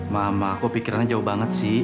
mama aku pikirannya jauh banget sih